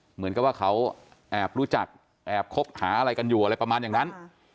เหมือนกับว่าเขาแอบรู้จักแอบคบหาอะไรกันอยู่อะไรประมาณอย่างนั้น